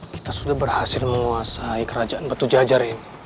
kita sudah berhasil menguasai kerajaan batu jajarin